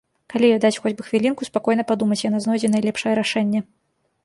Калі ёй даць хоць бы хвілінку спакойна падумаць, яна знойдзе найлепшае рашэнне.